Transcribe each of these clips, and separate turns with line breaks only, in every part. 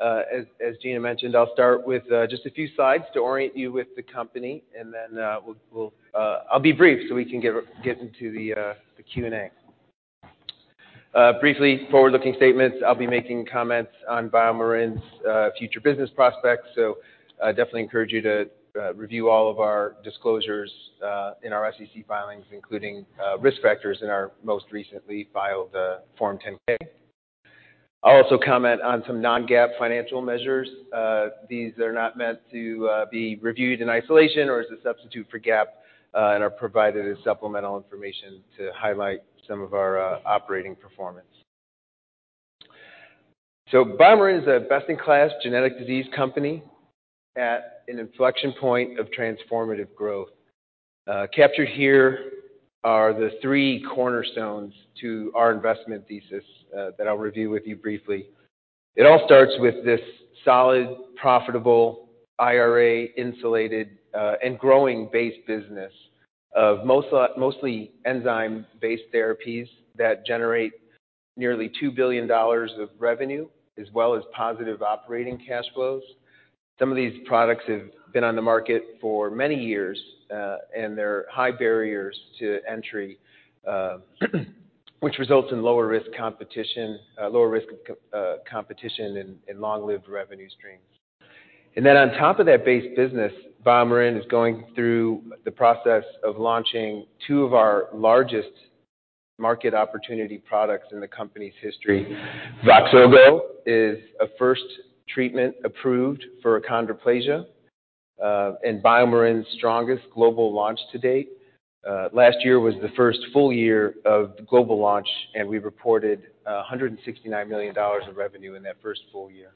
As Gena mentioned, I'll start with just a few slides to orient you with the company, and then I'll be brief so we can get into the Q&A. Briefly, forward-looking statements. I'll be making comments on BioMarin's future business prospects, so I definitely encourage you to review all of our disclosures in our SEC filings, including risk factors in our most recently filed Form 10-K. I'll also comment on some non-GAAP financial measures. These are not meant to be reviewed in isolation or as a substitute for GAAP and are provided as supplemental information to highlight some of our operating performance. So BioMarin is a best-in-class genetic disease company at an inflection point of transformative growth. Captured here are the three cornerstones to our investment thesis that I'll review with you briefly. It all starts with this solid, profitable, IRA-insulated, and growing base business of mostly enzyme-based therapies that generate nearly $2 billion of revenue, as well as positive operating cash flows. Some of these products have been on the market for many years, and they're high barriers to entry, which results in lower risk competition, lower risk of competition, and long-lived revenue streams. And then on top of that base business, BioMarin is going through the process of launching two of our largest market opportunity products in the company's history. Voxzogo is a first treatment approved for achondroplasia, and BioMarin's strongest global launch to date. Last year was the first full year of global launch, and we reported $169 million of revenue in that first full year.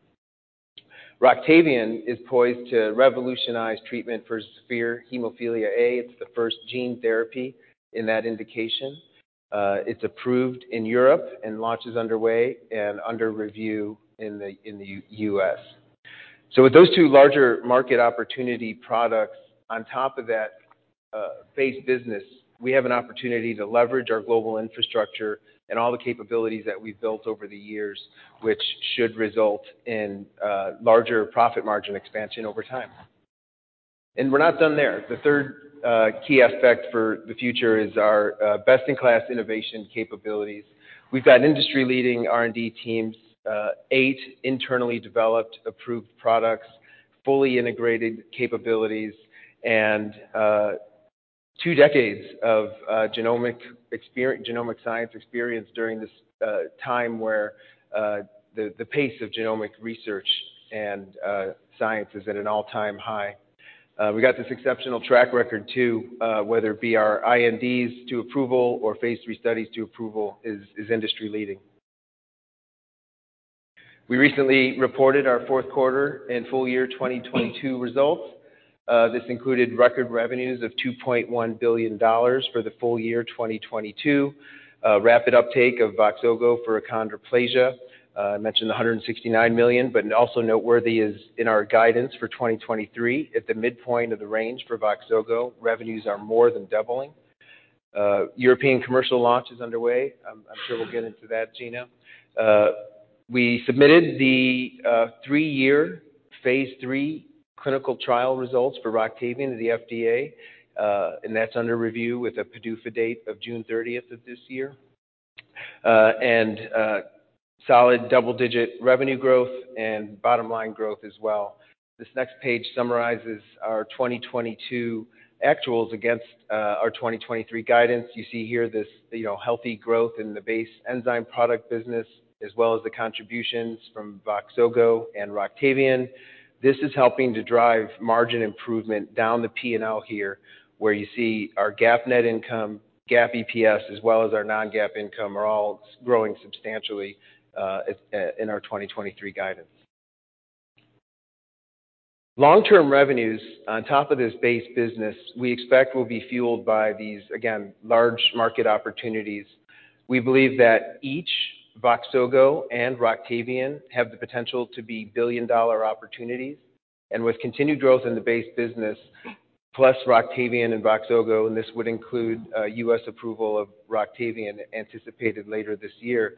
Roctavian is poised to revolutionize treatment for severe hemophilia A. It's the first gene therapy in that indication. It's approved in Europe and launch is underway and under review in the U.S. So with those two larger market opportunity products, on top of that base business, we have an opportunity to leverage our global infrastructure and all the capabilities that we've built over the years, which should result in larger profit margin expansion over time. And we're not done there. The third key aspect for the future is our best-in-class innovation capabilities. We've got industry-leading R&D teams, eight internally developed approved products, fully integrated capabilities, and two decades of genomic science experience during this time where the pace of genomic research and science is at an all-time high. We got this exceptional track record too, whether it be our INDs to approval or Phase 3 studies to approval is industry-leading. We recently reported our fourth quarter and full year 2022 results. This included record revenues of $2.1 billion for the full year 2022, rapid uptake of Voxzogo for achondroplasia. I mentioned the $169 million, but also noteworthy is in our guidance for 2023, at the midpoint of the range for Voxzogo, revenues are more than doubling. European commercial launch is underway. I'm sure we'll get into that, Gena. We submitted the three-year Phase 3 clinical trial results for Roctavian to the FDA, and that's under review with a PDUFA date of June 30th of this year, and solid double-digit revenue growth and bottom-line growth as well. This next page summarizes our 2022 actuals against our 2023 guidance. You see here this healthy growth in the base enzyme product business, as well as the contributions from Voxzogo and Roctavian. This is helping to drive margin improvement down the P&L here, where you see our GAAP net income, GAAP EPS, as well as our non-GAAP income are all growing substantially in our 2023 guidance. Long-term revenues on top of this base business we expect will be fueled by these, again, large market opportunities. We believe that each Voxzogo and Roctavian have the potential to be billion-dollar opportunities, and with continued growth in the base business, plus Roctavian and Voxzogo, and this would include U.S. approval of Roctavian anticipated later this year,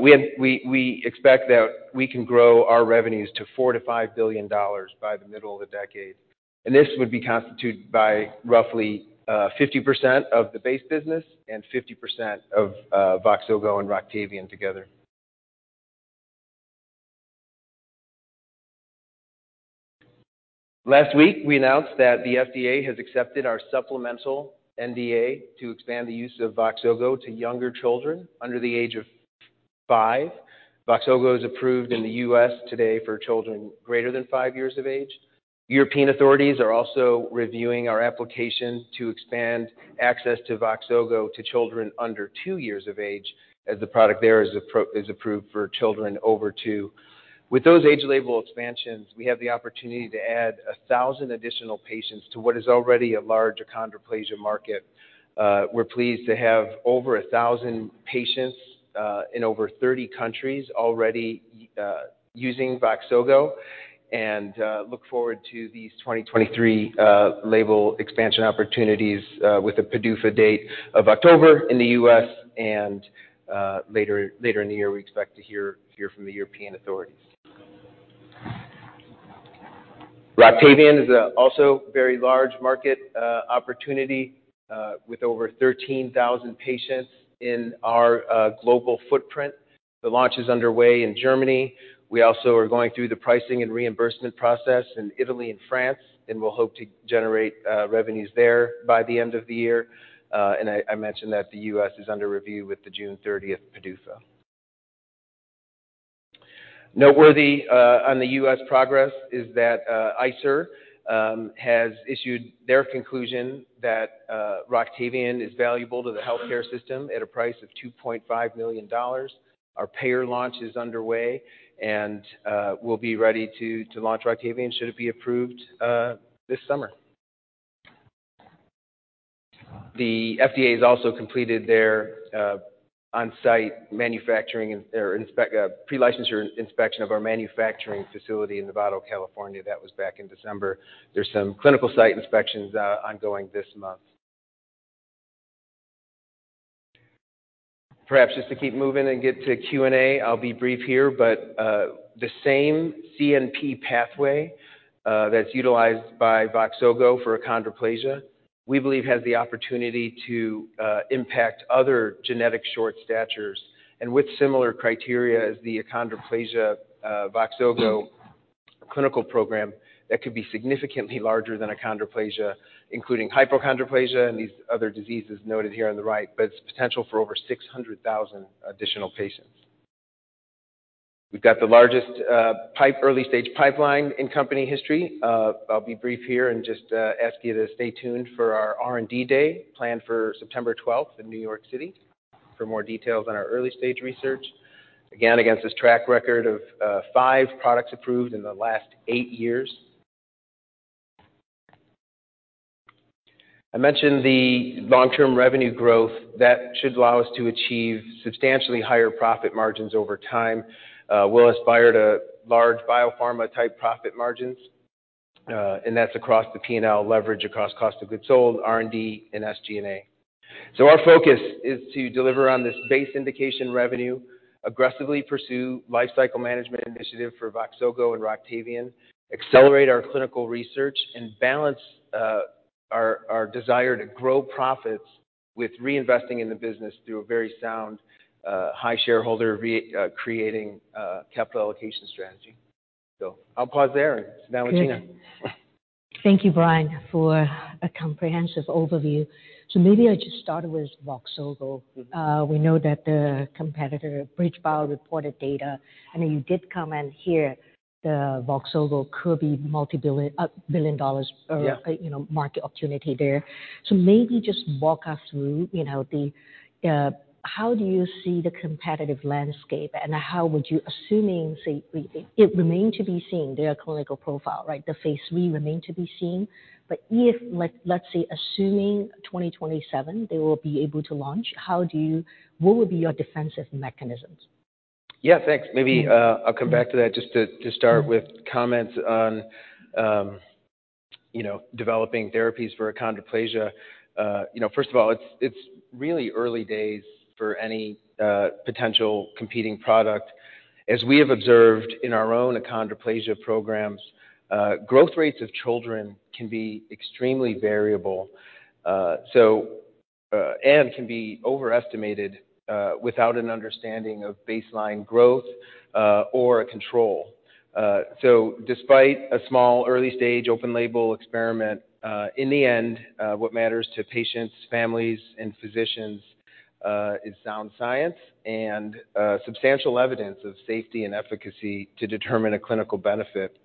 we expect that we can grow our revenues to $4 billion-$5 billion by the middle of the decade. And this would be constituted by roughly 50% of the base business and 50% of Voxzogo and Roctavian together. Last week, we announced that the FDA has accepted our supplemental NDA to expand the use of Voxzogo to younger children under the age of five. Voxzogo is approved in the U.S. today for children greater than five years of age. European authorities are also reviewing our application to expand access to Voxzogo to children under two years of age as the product there is approved for children over two. With those age label expansions, we have the opportunity to add 1,000 additional patients to what is already a large achondroplasia market. We're pleased to have over 1,000 patients in over 30 countries already using Voxzogo, and look forward to these 2023 label expansion opportunities with a PDUFA date of October in the U.S., and later in the year, we expect to hear from the European authorities. Roctavian is also a very large market opportunity with over 13,000 patients in our global footprint. The launch is underway in Germany. We also are going through the pricing and reimbursement process in Italy and France, and we'll hope to generate revenues there by the end of the year. I mentioned that the U.S. is under review with the June 30th PDUFA. Noteworthy on the U.S. progress is that ICER has issued their conclusion that Roctavian is valuable to the healthcare system at a price of $2.5 million. Our payer launch is underway, and we'll be ready to launch Roctavian should it be approved this summer. The FDA has also completed their on-site manufacturing or pre-licensure inspection of our manufacturing facility in Novato, California. That was back in December. There's some clinical site inspections ongoing this month. Perhaps just to keep moving and get to Q&A, I'll be brief here, but the same CNP pathway that's utilized by Voxzogo for achondroplasia, we believe, has the opportunity to impact other genetic short statures, and with similar criteria as the achondroplasia Voxzogo clinical program, that could be significantly larger than achondroplasia, including hypochondroplasia and these other diseases noted here on the right, but its potential for over 600,000 additional patients. We've got the largest early-stage pipeline in company history. I'll be brief here and just ask you to stay tuned for our R&D day planned for September 12th in New York City for more details on our early-stage research. Again, against this track record of five products approved in the last eight years. I mentioned the long-term revenue growth that should allow us to achieve substantially higher profit margins over time. We will aspire to large biopharma-type profit margins, and that's across the P&L leverage, across cost of goods sold, R&D, and SG&A. Our focus is to deliver on this base indication revenue, aggressively pursue life-cycle management initiative for Voxzogo and Roctavian, accelerate our clinical research, and balance our desire to grow profits with reinvesting in the business through a very sound high shareholder creating capital allocation strategy. I'll pause there, and it's now with Gena. Thank you, Brian, for a comprehensive overview. So maybe I just start with Voxzogo. We know that the competitor BridgeBio Pharma reported data. I know you did comment here that Voxzogo could be multi-billion dollars market opportunity there. So maybe just walk us through how do you see the competitive landscape and how would you, assuming, say, it remained to be seen, their clinical profile, right? The Phase 3 remained to be seen. But if, let's say, assuming 2027, they will be able to launch, what would be your defensive mechanisms? Yeah, thanks. Maybe I'll come back to that just to start with comments on developing therapies for achondroplasia. First of all, it's really early days for any potential competing product. As we have observed in our own achondroplasia programs, growth rates of children can be extremely variable and can be overestimated without an understanding of baseline growth or control. So despite a small early-stage open-label experiment, in the end, what matters to patients, families, and physicians is sound science and substantial evidence of safety and efficacy to determine a clinical benefit.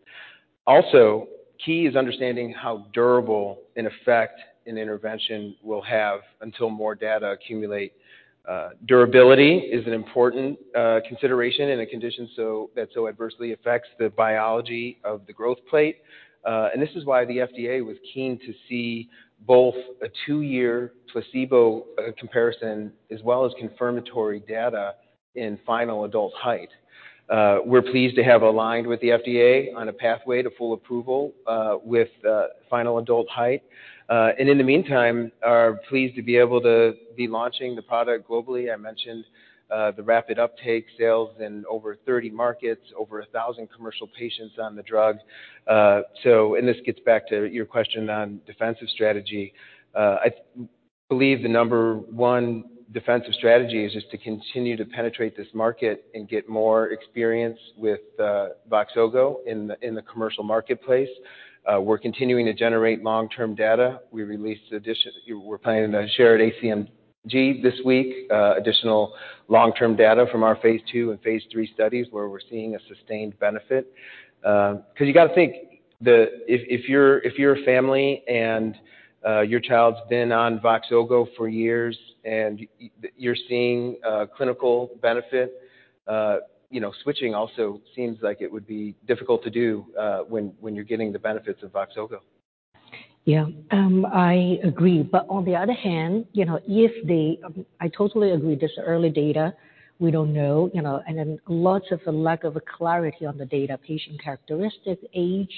Also, key is understanding how durable an effect an intervention will have until more data accumulate. Durability is an important consideration in a condition that so adversely affects the biology of the growth plate, and this is why the FDA was keen to see both a two-year placebo comparison as well as confirmatory data in final adult height. We're pleased to have aligned with the FDA on a pathway to full approval with final adult height, and in the meantime, we are pleased to be able to be launching the product globally. I mentioned the rapid uptake sales in over 30 markets, over 1,000 commercial patients on the drug, and this gets back to your question on defensive strategy. I believe the number one defensive strategy is just to continue to penetrate this market and get more experience with Voxzogo in the commercial marketplace. We're continuing to generate long-term data. We're planning to share at ACMG this week additional long-term data from our Phase 2 and Phase 3 studies where we're seeing a sustained benefit. Because you got to think, if you're a family and your child's been on Voxzogo for years and you're seeing clinical benefit, switching also seems like it would be difficult to do when you're getting the benefits of Voxzogo. Yeah, I agree. But on the other hand, I totally agree this early data, we don't know. And then lots of lack of clarity on the data, patient characteristics, age.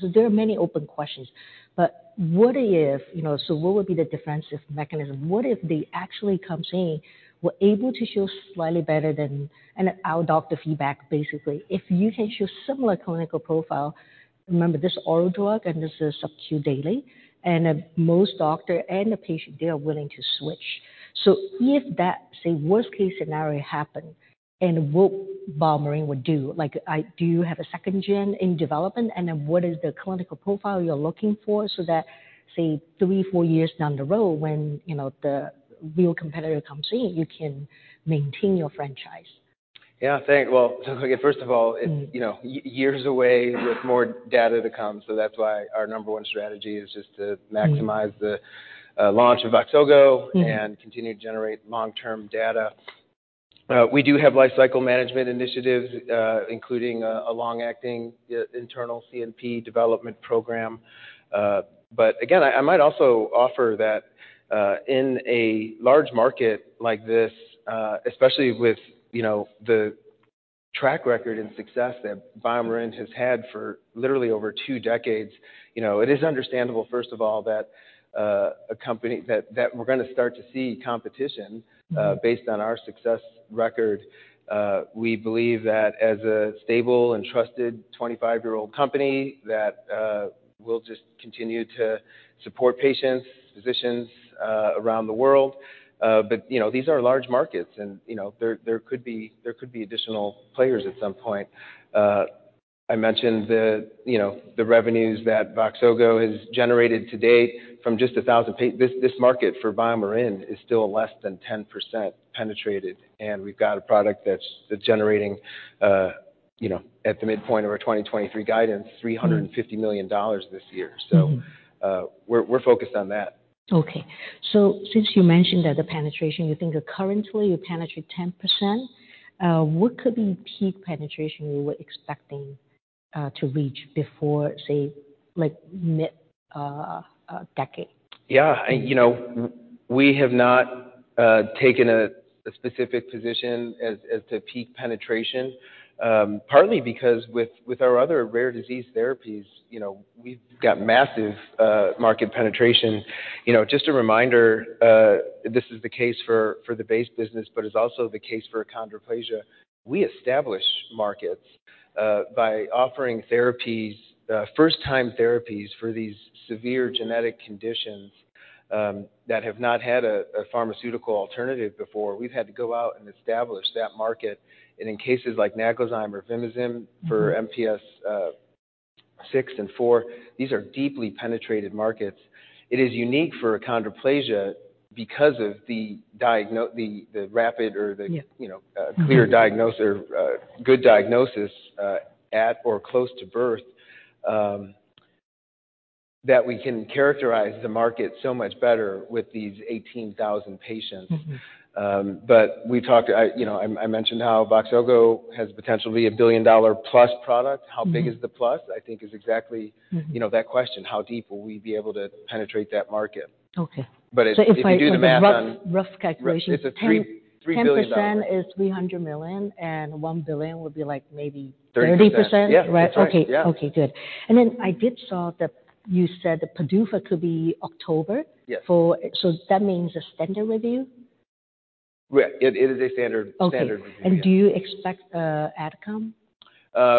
So there are many open questions. But what if, so what would be the defensive mechanism? What if they actually come saying, "We're able to show slightly better than our doctor feedback, basically." If you can show similar clinical profile, remember this oral drug and this is sub-Q daily, and most doctors and the patient, they are willing to switch. So if that, say, worst-case scenario happened, and what BioMarin would do, like, "Do you have a second gen in development?" And then what is the clinical profile you're looking for so that, say, three, four years down the road, when the real competitor comes in, you can maintain your franchise? Yeah, thanks. Well, so first of all, years away with more data to come. So that's why our number one strategy is just to maximize the launch of Voxzogo and continue to generate long-term data. We do have life-cycle management initiatives, including a long-acting internal CNP development program. But again, I might also offer that in a large market like this, especially with the track record and success that BioMarin has had for literally over two decades, it is understandable, first of all, that a company that we're going to start to see competition based on our success record. We believe that as a stable and trusted 25-year-old company that will just continue to support patients, physicians around the world. But these are large markets, and there could be additional players at some point. I mentioned the revenues that Voxzogo has generated to date from just 1,000 patients. This market for BioMarin is still less than 10% penetrated, and we've got a product that's generating, at the midpoint of our 2023 guidance, $350 million this year, so we're focused on that. Okay, so since you mentioned that the penetration, you think currently you penetrate 10%, what could be peak penetration you were expecting to reach before, say, mid-decade? Yeah. We have not taken a specific position as to peak penetration, partly because with our other rare disease therapies, we've got massive market penetration. Just a reminder, this is the case for the base business, but it's also the case for achondroplasia. We establish markets by offering therapies, first-time therapies for these severe genetic conditions that have not had a pharmaceutical alternative before. We've had to go out and establish that market. And in cases like Naglazyme or Vimizim for MPS VI and IV, these are deeply penetrated markets. It is unique for achondroplasia because of the rapid or the clear diagnosis or good diagnosis at or close to birth that we can characterize the market so much better with these 18,000 patients. But I mentioned how Voxzogo has potentially a billion-dollar-plus product. How big is the plus? I think is exactly that question. How deep will we be able to penetrate that market? But if we do the math. Okay. So if I do the math, rough calculation, 10% is $300 million, and $1 billion would be like maybe 30%? 30%, yeah. Okay. Okay, good. And then I did saw that you said the PDUFA could be October. So that means a standard review? Right. It is a standard review. Okay, and do you expect AdCom?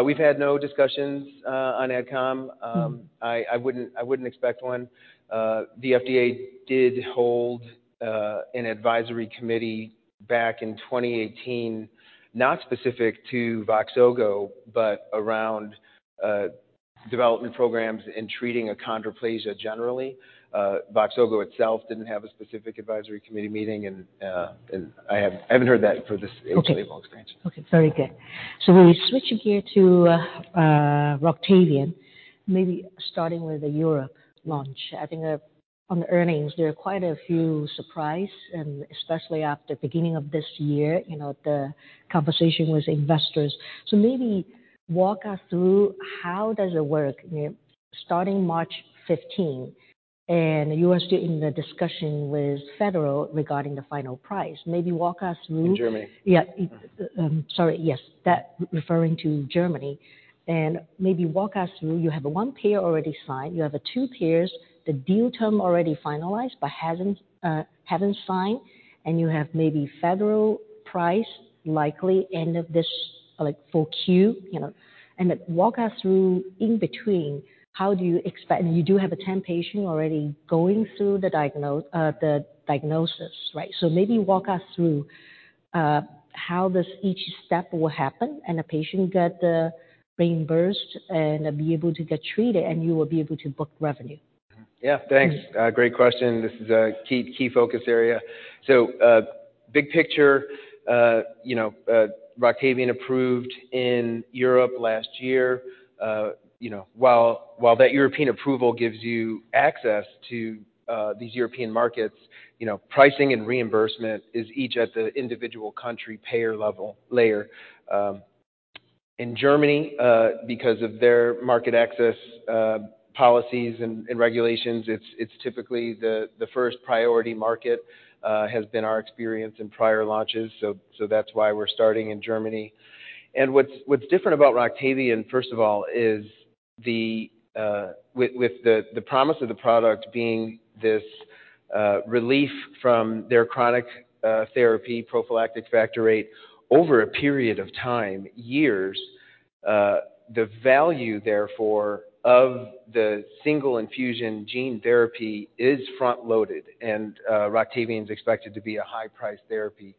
We've had no discussions on AdCom. I wouldn't expect one. The FDA did hold an advisory committee back in 2018, not specific to Voxzogo, but around development programs in treating achondroplasia generally. Voxzogo itself didn't have a specific advisory committee meeting, and I haven't heard that for this age label experience. Okay. Okay. Very good. So we'll switch gears to Roctavian, maybe starting with the Europe launch. I think on the earnings, there are quite a few surprises, and especially at the beginning of this year, the conversation with investors. So maybe walk us through how does it work. Starting March 15, and you are still in the discussion with federal regarding the final price. Maybe walk us through. In Germany? Yeah. Sorry. Yes. That's referring to Germany. And maybe walk us through. You have one payer already signed. You have two payers. The deal term already finalized but haven't signed. And you have maybe federal price likely end of this Q4. And walk us through in between how do you expect and you do have 10 patients already going through the diagnosis, right? So maybe walk us through how each step will happen and a patient get reimbursed and be able to get treated, and you will be able to book revenue. Yeah, thanks. Great question. This is a key focus area. Big picture, Roctavian approved in Europe last year. While that European approval gives you access to these European markets, pricing and reimbursement is each at the individual country payer level layer. In Germany, because of their market access policies and regulations, it's typically the first priority market. It has been our experience in prior launches. That's why we're starting in Germany. What's different about Roctavian, first of all, is with the promise of the product being this relief from their chronic therapy prophylactic Factor VIII over a period of time, years, the value, therefore, of the single infusion gene therapy is front-loaded. Roctavian is expected to be a high-priced therapy.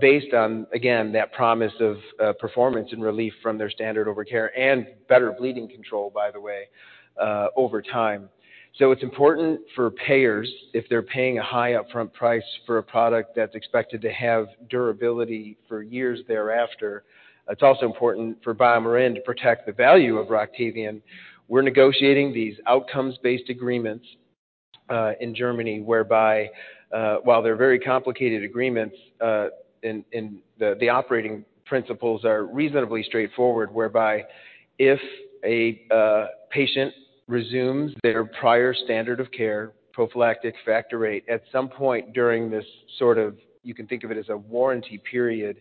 Based on, again, that promise of performance and relief from their standard of care and better bleeding control, by the way, over time. It's important for payers, if they're paying a high upfront price for a product that's expected to have durability for years thereafter. It's also important for BioMarin to protect the value of Roctavian. We're negotiating these outcomes-based agreements in Germany whereby, while they're very complicated agreements, the operating principles are reasonably straightforward, whereby if a patient resumes their prior standard of care prophylactic Factor VIII at some point during this sort of, you can think of it as a warranty period,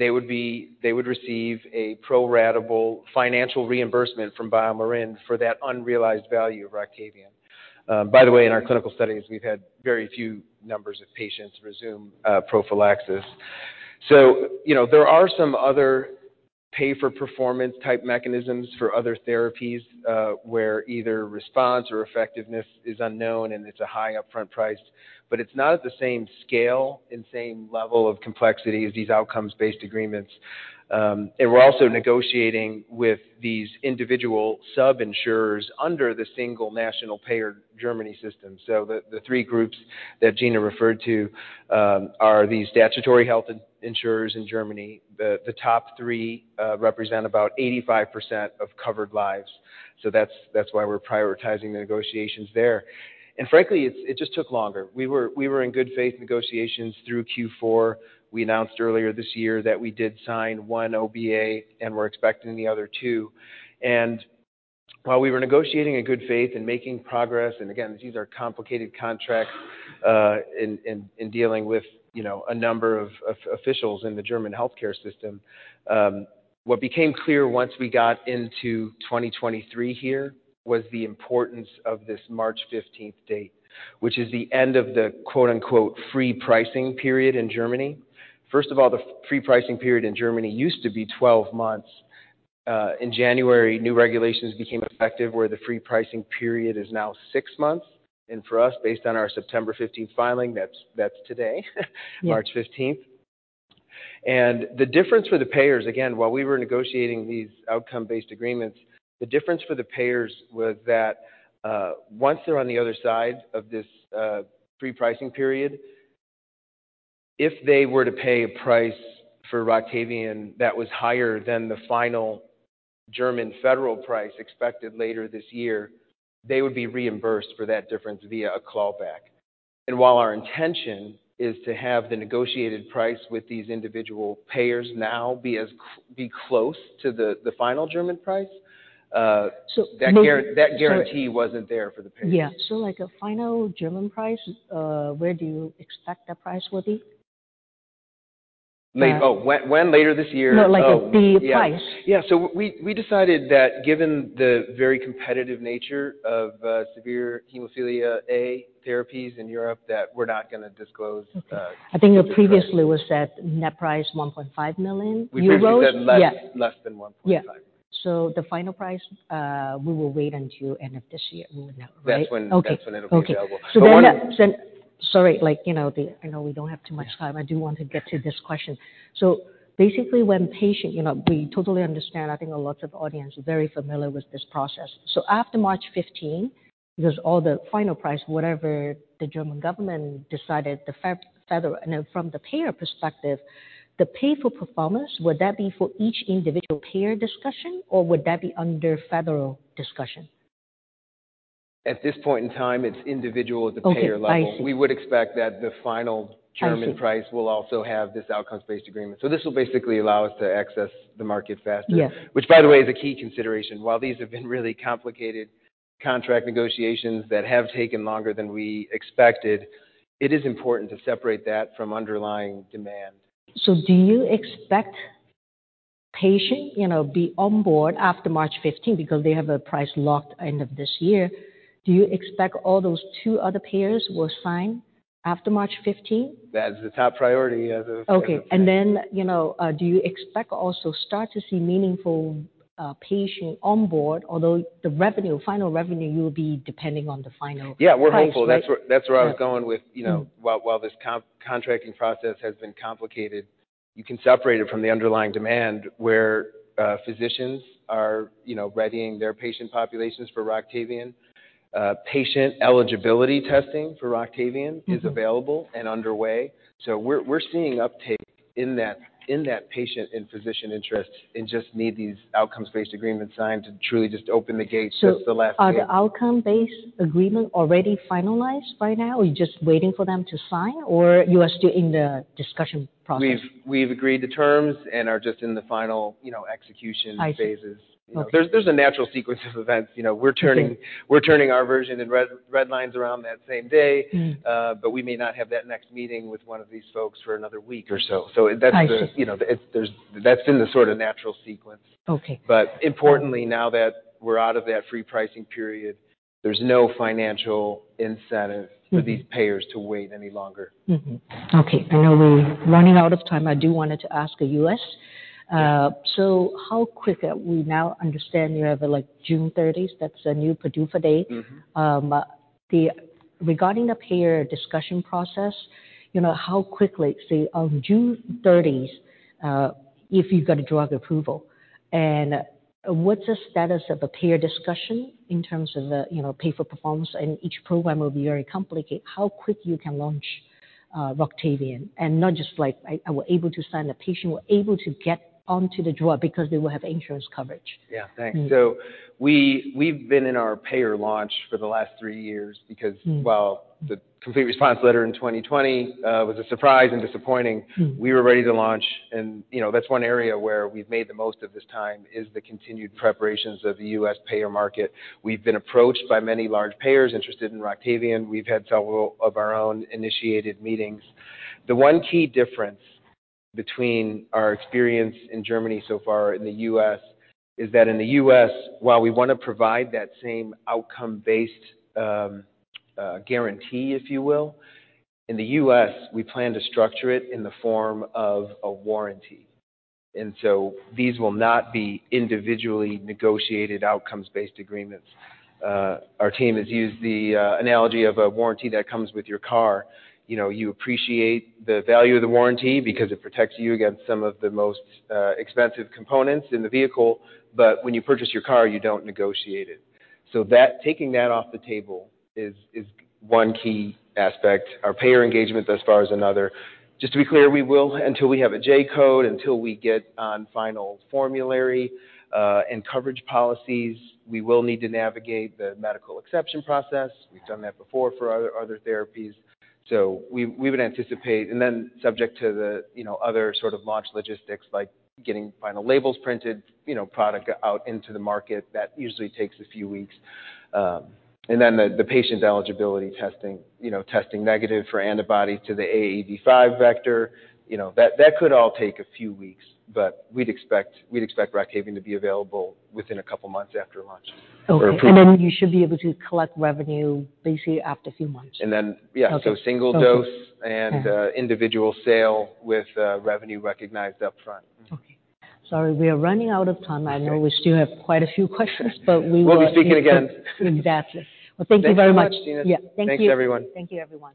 they would receive a pro-rata financial reimbursement from BioMarin for that unrealized value of Roctavian. By the way, in our clinical studies, we've had very few numbers of patients resume prophylaxis. There are some other pay-for-performance type mechanisms for other therapies where either response or effectiveness is unknown and it's a high upfront price. But it's not at the same scale and same level of complexity as these outcomes-based agreements. And we're also negotiating with these individual sub-insurers under the single national payer Germany system. So the three groups that Gena referred to are these statutory health insurers in Germany. The top three represent about 85% of covered lives. So that's why we're prioritizing the negotiations there. And frankly, it just took longer. We were in good faith negotiations through Q4. We announced earlier this year that we did sign one OBA, and we're expecting the other two. And while we were negotiating in good faith and making progress, and again, these are complicated contracts in dealing with a number of officials in the German healthcare system, what became clear once we got into 2023 here was the importance of this March 15 date, which is the end of the quote-unquote "free pricing period" in Germany. First of all, the free pricing period in Germany used to be 12 months. In January, new regulations became effective where the free pricing period is now six months. And for us, based on our September 15 filing, that's today, March 15. And the difference for the payers, again, while we were negotiating these outcome-based agreements, the difference for the payers was that once they're on the other side of this free pricing period, if they were to pay a price for Roctavian that was higher than the final German federal price expected later this year, they would be reimbursed for that difference via a clawback. And while our intention is to have the negotiated price with these individual payers now be close to the final German price, that guarantee wasn't there for the payers. Yeah. So a final German price, where do you expect that price will be? Oh, when? Later this year? No, the price. Yeah. So we decided that given the very competitive nature of severe Hemophilia A therapies in Europe that we're not going to disclose. I think previously we said net price $1.5 million. We said less than $1.5 million. Yeah. So the final price, we will wait until end of this year. That's when it'll be available. Okay. Okay. Then, sorry, I know we don't have too much time. I do want to get to this question. Basically, we totally understand. I think lots of audience are very familiar with this process. After March 15, there's all the final price, whatever the German government decided. From the payer perspective, the pay-for-performance, would that be for each individual payer discussion, or would that be under federal discussion? At this point in time, it's individual to payer level. We would expect that the final German price will also have this outcomes-based agreement. So this will basically allow us to access the market faster, which, by the way, is a key consideration. While these have been really complicated contract negotiations that have taken longer than we expected, it is important to separate that from underlying demand. So, do you expect patients to be on board after March 15 because they have a price locked end of this year? Do you expect all those two other payers will sign after March 15? That is the top priority as of. Okay. And then do you expect also start to see meaningful patient on board, although the final revenue will be depending on the final? Yeah, we're hopeful. That's where I was going with, while this contracting process has been complicated, you can separate it from the underlying demand where physicians are readying their patient populations for Roctavian. Patient eligibility testing for Roctavian is available and underway. So we're seeing uptake in that patient and physician interest and just need these outcomes-based agreements signed to truly just open the gates just the last minute. So are the outcome-based agreement already finalized right now? Are you just waiting for them to sign, or you are still in the discussion process? We've agreed to terms and are just in the final execution phases. There's a natural sequence of events. We're turning our version in red lines around that same day, but we may not have that next meeting with one of these folks for another week or so. So that's been the sort of natural sequence. But importantly, now that we're out of that free pricing period, there's no financial incentive for these payers to wait any longer. Okay. I know we're running out of time. I wanted to ask you this. So how quickly are we now? I understand you have June 30th. That's a new PDUFA date. Regarding the payer discussion process, how quickly, say, on June 30th if you got a drug approval, and what's the status of the payer discussion in terms of pay-for-performance, and each program will be very complicated? How quickly can you launch Roctavian and not just like, "I was able to sign a patient, was able to get onto the drug because they will have insurance coverage. Yeah, thanks. So we've been in our payer launch for the last three years because while the complete response letter in 2020 was a surprise and disappointing, we were ready to launch, and that's one area where we've made the most of this time is the continued preparations of the U.S. payer market. We've been approached by many large payers interested in Roctavian. We've had several of our own initiated meetings. The one key difference between our experience in Germany so far and the U.S. is that in the U.S., while we want to provide that same outcome-based guarantee, if you will, in the U.S., we plan to structure it in the form of a warranty, and so these will not be individually negotiated outcomes-based agreements. Our team has used the analogy of a warranty that comes with your car. You appreciate the value of the warranty because it protects you against some of the most expensive components in the vehicle. But when you purchase your car, you don't negotiate it. So taking that off the table is one key aspect. Our payer engagement thus far is another. Just to be clear, until we have a J-code, until we get on final formulary and coverage policies, we will need to navigate the medical exception process. We've done that before for other therapies. So we would anticipate, and then subject to the other sort of launch logistics like getting final labels printed, product out into the market, that usually takes a few weeks. And then the patient's eligibility testing, testing negative for antibody to the AAV5 vector, that could all take a few weeks. But we'd expect Roctavian to be available within a couple of months after launch. Okay. And then you should be able to collect revenue basically after a few months. And then, yeah, so single dose and individual sale with revenue recognized upfront. Okay. Sorry, we are running out of time. I know we still have quite a few questions, but we will. We'll be speaking again. Exactly. Well, thank you very much. Thanks, Gena. Thanks, everyone. Thank you everyone.